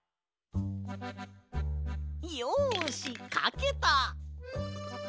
よしかけた！